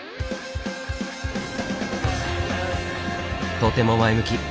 とても前向き。